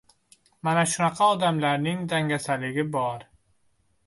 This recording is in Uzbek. Mana shunaqa odamlarning dangasaligi bor.